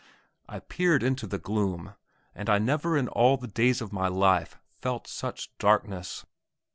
I peered into the gloom, and I never in all the days of my life felt such darkness.